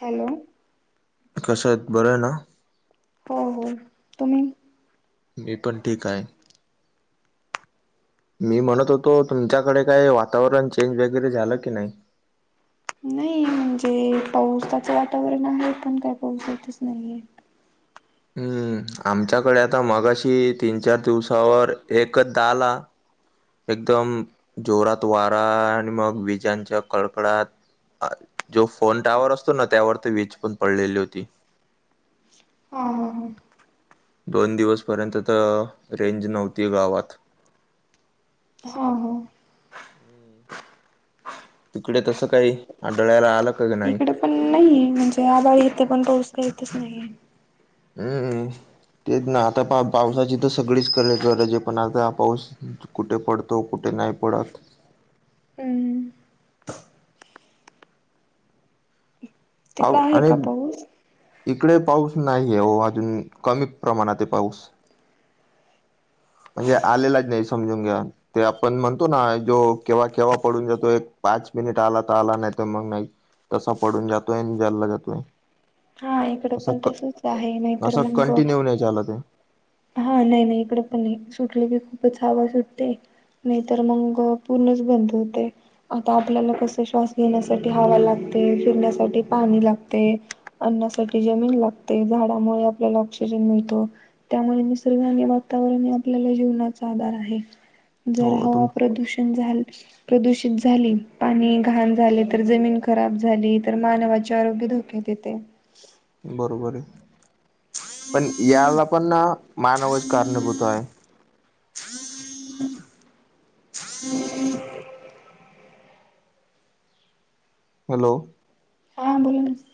Hello. कश्या येत? बरंय ना. हो, हो, तुम्ही? मी पण ठीक आहे. मी म्हणत होतो, तुमच्याकडे काय वातावरण चेंज वगैरे झालं की नाही? नाही म्हणजे पावसाचं वातावरण आहे, पण काय पाऊस येतच नाहीये. हम्म, आमच्याकडे आता मगाशी तीन, चार दिवसावर एकदा आला. एकदम जोरात वारा आणि मग विजांच्या कडकडात जो फोन टॉवर असतो ना, त्यावर ती वीज पण पडलेली होती. हा हा हा. दोन दिवसपर्यंत तर, रेंज नव्हती गावात. हा हा. तिकडे तसं काही आढळायला आलं का की नाही? इकडे पण नाहीये म्हणजे आभाळ येतेय, पण पाऊस काय येतंय नाही. हम्म, तेच ना. आता पा पावसाची तर सगळीच कडेच गरज आहे, पण आता हा पाऊस कुठे पडतो? कुठे नाही पडत? हम्म. तिकडे पाऊ आहे आणि का पाऊस? इकडे पाऊस नाहीये हो अजून, कमी प्रमाणात आहे पाऊस. म्हणजे आलेलाच नाही, समजून जा. ते आपण म्हणतो ना, जो केव्हा केव्हा पडून जातो एक, पाच मिनिट आला तर आला, नाही तर, मग नाही. तसा पडून जातोय आणि जायला [unintelligible] तोय. हा, इकड पण तसच आहे. नाहीतर असा मंग कंटिन्यू नाही चालत आहे हा, नाही नाही इकडे पण नाही सुटले की, खूपच हवां सुटते. नाही तर मंग, पूर्णच बंद होते. आता आपल्याला कस श्वास घेण्यासाठी हवा लागते, पिण्यासाठी पाणी लागते. अन्नासाठी जमीन लागते. झाडामुळे आपल्याला ऑक्सिजन मिळतो. त्यामुळे निसर्ग आणि वातावरणमुळे आपल्याला जीवनाचा आधार आहे. जर हो हवा तुम प्रदूषण झाली प्रदूषित झाली, पाणी घाण झाले तर, जमीन खराब झाली तर, मानवाचे आरोग्य धोक्या येतंय. बरोबरय. पण याला पण ना, मानवच कारणीभूताय. [inaudible] हॅलो. हां, बोला ना, सर.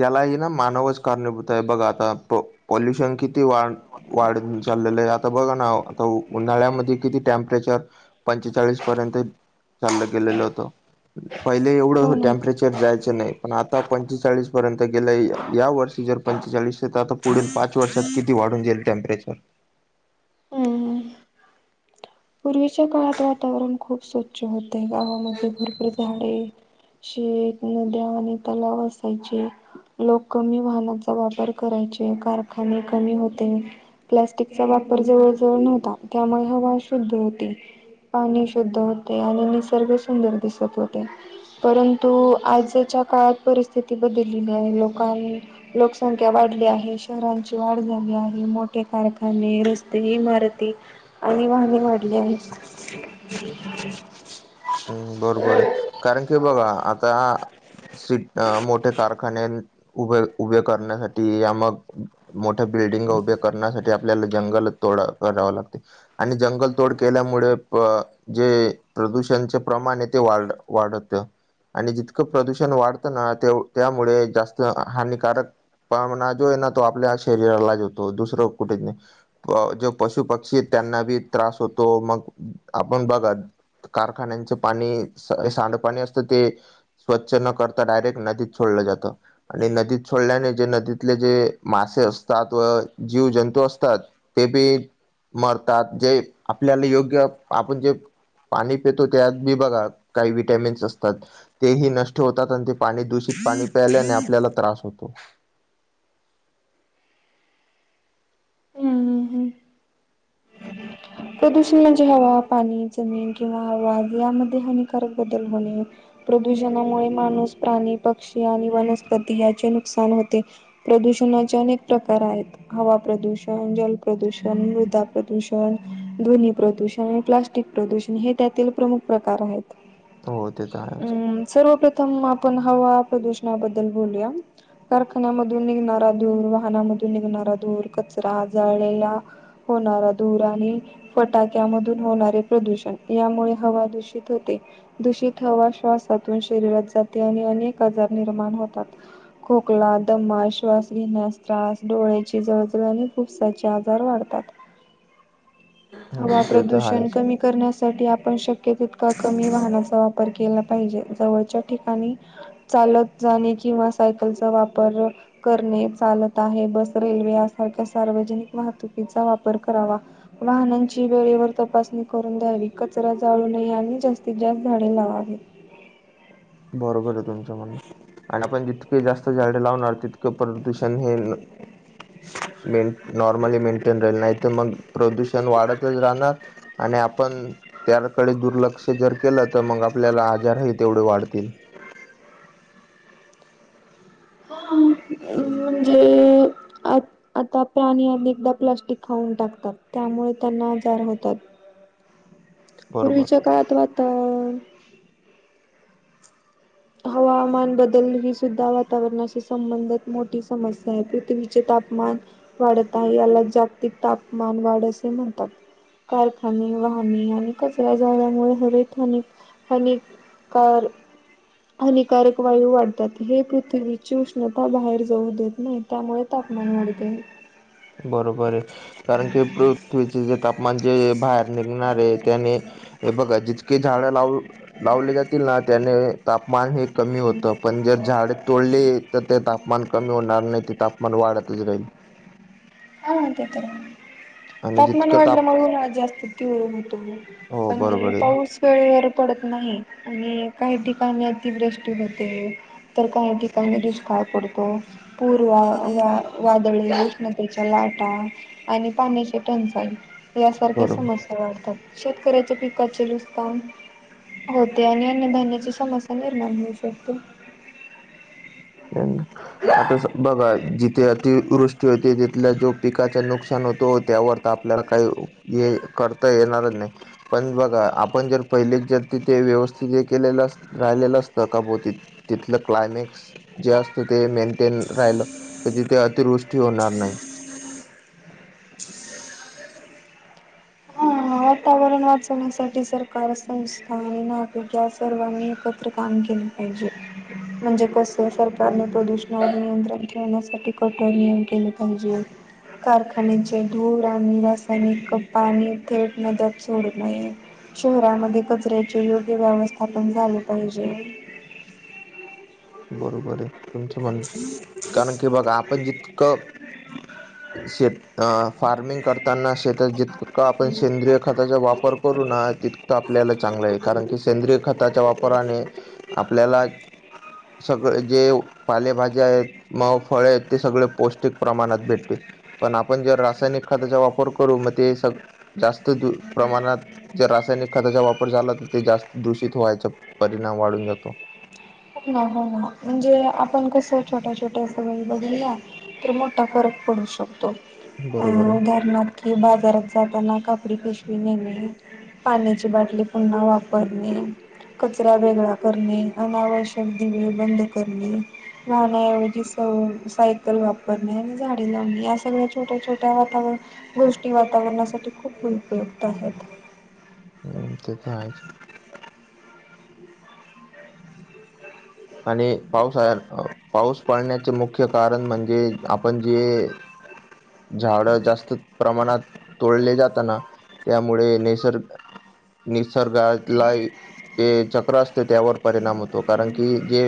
यालाही ना मानवच कारणीभूत आहे. बघ आता, पॉ - पॉल्युशन किती वाढ वाढ चाललेलंय. आता बघा ना, आता उन्हाळ्यामध्ये किती? टेम्परेचर पंचेचाळीस पर्यंत चाललं गेलेलं होतं. पहिले हो एवढं, ना. टेम्परेचर जायचं नाही. पण आता पंचेवीचाळीस पर्यंत गेलय. या वर्षी जर पंचेचाळीस तर, आता पुढील पाच वर्षात किती वाढून जाईल? टेम्परेचर. हं. पूर्वीच्या काळात वातावरण खूप स्वच्छ होते. गावामध्ये भरपूर झाडे शेत, नद्या आणि तलाव असायचे. लोक कमी वाहनांचा वापर करायचे. कारखाने कमी होते. प्लाॅस्टिकचा वापर जवळ- जवळ नव्हता. त्यामुळे हवा शुद्ध होती. पाणी शुद्ध होते. आणि निसर्ग सुंदर दिसत होते. परंतु, आजच्या काळात परिस्थिती बदललेली आहे. लोकांन लोकसंख्या वाढली आहे. शहरांची वाढ झाली आहे. मोठे कारखाने, रस्ते, इमारती आणि वाहने वाढली आहेत. हम् बरोबरय. कारण कि, बघा आता सीट -मोठे कारखाने, उभे - उभे करण्यासाठी या मग मोठ्या बिल्डिंग उभ्या करण्यासाठी, आपल्याला जंगल तोडा - तोडावे लागते. आणि जंगल तोड केल्यामुळे, अ जे प्रदूषण त्यांचे प्रमाण इथे, वाढ - वाढत. आणि जितकं प्रदूषण वाढतं ना, तेव - त्यामुळे जास्त हानिकारक पणा जो आहे ना, तो आपल्या शरीराला ज होतो. दुसरं कुठेच नाही. जो पशुपक्षी त्यांना बी त्रास होतो. मग, आपण बघा कारखान्यांचं पाणी, सांडपाणी असतं ते स्वच्छ न करता, डायरेक्ट नदीत छोडलं जातं. आणि नदीत सोडल्याने, जे नदीतले जे, मासे असतात व जीव जंतू असतात ते बी मरतात. जे आपल्याला योग्य, आपण जे पाणी पेतो, त्यात बी बघा. काही विटॅमिन्स असतात. तेही नष्ट होतात. अन् ते पाणी, दूषित पाणी प्यायल्याने आपल्याला त्रास होतो. हम्म हम्म हम्म प्रदूषण म्हणजे हवा, पाणी, जमीन किंवा आवाज यामध्ये, हानिकारक बदल होणे. प्रदूषणामुळे माणूस, प्राणी, पक्षी आणि वनस्पती याचे नुकसान होते. प्रदूषणाचे अनेक प्रकार आहेत. हवा प्रदूषण, जल प्रदूषण, मृदा प्रदूषण ध्वनी प्रदूषण आणि प्लास्टिक प्रदूषण. हे त्यातील प्रमुख प्रकार आहेत. हो ते तर आहेच अम्, सर्वप्रथम आपण, हवा प्रदूषणाबद्दल बोलूया. कारखान्यामधून निघणारा दूर, वाहनामधून निघणारा धूर, कचरा जाळलेला होणारा धू आणि फटाक्या मधून होणारे प्रदूषण. यामुळे हवा दूषित होते. दूषित हवा, श्वासातून शरीरात जाते. आणि अनेक आजार निर्माण होतात. खोकला, दमा, श्वास घेण्यास त्रास, डोळ्याची जळजळ आणि फुफसाचे आजार वाढतात. हम्म हवा ते तर प्रदूषण आहेच कमी करण्यासाठी, आपण शक्य तितका कमी वाहनाचा वापर केला पाहिजे, जवळच्या ठिकाणी चालत जाणे किंवा सायकलचा वापर करणे चालत आहे, बस रेल्वे या सारख्या सार्वजनिक वाहतुकीचा वापर करावा. वाहनांची वेळेवर तपासणी करून द्यावी, कचरा जाळू नये, आणि जास्तीत जास्त झाडे लावावी. बरोबर आहे. तुमच्या म्हणणं, आणि आपण जितके जास्त झाडे लावणार तितक प्रदूष हे न. मेन, नॉर्मली मेंटेन राहिल, नाही तर मग प्रदूषण वाढतच राहणार. आणि आपण त्याकडे दुर्लक्ष जर केलं तर मग आपल्याला आजार होईल. तेवढे वाढतील. हम्म, म्हणजे आ आता प्राणी अनेकदा प्लास्टिक खाऊन टाकतात, त्यामुळे त्यांना आजार होतात. बरोबर पूर्वीच्या काळात वाता हवामान बदल ही सुद्धा वातावरणाशी संबंधात मोठी समस्या आहे. पृथ्वीचे तापमान वाढत आहे. याला जागतिक तापमान वाढ असे म्हणतात. कारखाने, वाहने आणि कचरा जाळल्यामुळे हरित हनी होणे कर. हानिकारक वायू वाढतात, हे पृथ्वीची उष्णता बाहेर जाऊ देत नाही. त्यामुळे तापमान वाढते. बरोबर आहे. कारण की पृथ्वीचे जे तापमान जे बाहेर निघणार आहे, त्याने हे बघा, जितके झाडं लाव लावले जातील ना त्याने तापमान हे कमी होतं. पण जर झाड तोडली तर ते तापमान कमी होणार नाही. ते तापमान वाढतच राहील. हां ते तर आहे. आणि तापमान जितकं वाढल्या ताप मुळे ना जास्त पिवळ होतो, हो पण बरोबर आहे पाऊस वेळेवरर पडत नाही. आणि काही ठिकाणी अतिवृष्टी होते, तर काही ठिकाणी दुष्काळ पडतो, पूर्वा वा वादळी उष्ण लाटा आणि पाण्याची टंचाई यासारख्या बरोबर समस्या वाढतात. शेतकऱ्याच्या पिकाचे नुसकान होते. आणि अन्य धान्याची समस्या निर्माण होऊ शकते. हम्म. आता बघा जिथे अतिवृष्टी होते, तिथल्या जो पिकाच नुकसान होतो त्यावर आपल्याला काही ये करता येणारच नाही. पण बघा, आपण जर पहिलेच जर तिथे व्यवस्थित हे केलेलं अस राहिलेलं असतं का भो ती, तिथलं क्लायमॅक्स जे असतं ते मेंटेन राहिलं तर तिथे अतिवृष्टी होणार नाही. [inaudible] हा वातावरण वाचवण्यासाठी सरकार, संस्था आणि नागरिक या सर्वांनी एक तर काम केलं पाहिजे. म्हणजे कस सरकारने प्रदूषणावर नियंत्रण ठेवण्यासाठी कठोर नियम केले पाहिजे. कारखान्यांचे धूळ आणि रासायनिक कप पाणी थेट नद्यात सोडू नये. शहरामध्ये कचऱ्याचे योग्य व्यवस्थापन झाले पाहिजे. बरोबर आहे. तुमच म्हणणं, कारण की बघा आपण जितकं शेत अ, फार्मिंग करताना शेतात जितकं आपण सेंद्रिय खताचा वापर करून ती तर आपल्याला चांगलं आहे कारण की सेंद्रिय खताच्या वापराने आपल्याला सगळे जे पालेभाज्या आहेत मग फळे आहेत ते सगळे पौष्टिक प्रमाणात भेटतील. पण आपण जे रासायनिक खताचा वापर करू मग ते सग जास्त प्रमाणात जर रासायनिक खताचा वापर झाला तर ते जास्त दूषित व्हायचा परिणाम वाढून जातो. ना हो ना म्हणजे आपण कसं छोट्या छोट्या सवयी बदलल्या तर मोठा फरक पडू शकतो अ बरोबर आहे. उदाहरणार्थ कि बाजारात जाताना कापडी पिशवी नेणे पाण्याची बाटली पुन्हा वापरणे, कचरा वेगळा करणे अ आवड तसंच दिवे बंद करणे वाहना ऐवजी स सायकल वापरणे आणि झाडी लावणे या सगळ्या छोट्या छोट्या वातावरण गोष्टी वातावरणासाठी खूप उपयुक्त आहेत. हम्म.. ते तर आहेच. आणि पावसाळ्यात अ.. पाऊस पडण्याच मुख्य कारण म्हणजे आपण जे झाडं जास्त प्रमाणात तोडले जातना त्यामुळे निसर्ग निसर्गात लाई जे चक्र असते त्यावर परिणाम होतो कारण की जे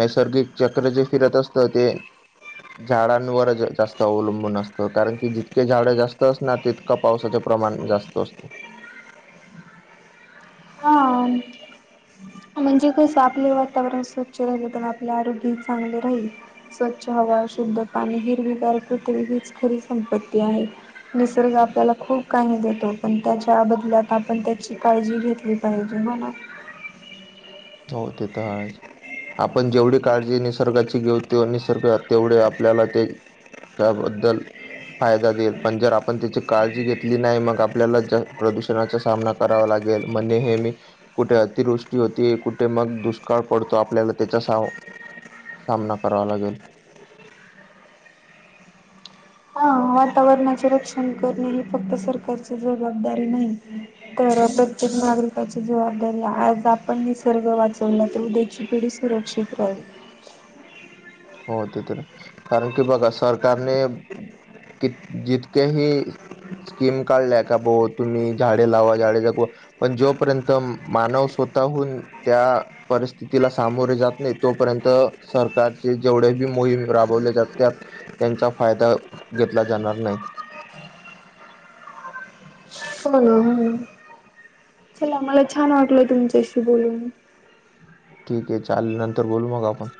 नैसर्गिक चक्र जे फिरत असत ते झाडांवरच जास्त अवलंबून असत कारण की जितके झाड जास्त असणार तितका पावसाच प्रमाण जास्त असतो. काम म्हणजे कस आपले वातावरण स्वच्छ राहिल तर आपले आरोग्य चांगले राहील. स्वच्छ हवा, शुद्ध पाणी, हिरवीगार पृथ्वी हिच खरी संपत्ती आहे. निसर्ग आपल्याला खूप काही देतो पण त्याच्या बदल्यात आपण त्याची काळजी घेतली पाहिजे हो ना? हो, ते तर आहेच. आपण जेवढी काळजी निसर्गाची घेऊ तो निसर्ग तेवढे आपल्याला ते त्याबद्दल फायदा देईल पण जर आपण त्याची काळजी घेतली नाही मग आपल्याला ज प्रदूषणाचा सामना कराव लागेल मग नेहमी कुठे अतिवृष्टी होती कुठे मग दुष्काळ पडतो आपल्याला त्याचा सा सामना करावा लागेल. हा वातावरणाचे रक्षण करणे ही फक्त सरकारची जबाबदारी नाही तर प्रत्येक नागरिकाची जबाबदारी आज आपण निसर्ग वाचवला तर उद्या पुढची पिडी सुरक्षित राहील हो, ते तर आहे कारण की बघा सरकारने कि, जितकेही स्कीम काढलाय का भो तुम्ही झाडे लावा झाडे जगवा पण जोपर्यंत मानव स्वतःहून त्या परिस्थितीला सामोरे जात नाही, तोपर्यंत सरकार जेवढे बी मोहीम राबवले जात त्यात त्यांचा फायदा घेतला जाणार नाही. [unintelligible] चला मला छान वाटलं तुमच्याशी बोलून. ठीक आहे चालेल नंतर बोलू मग आपण.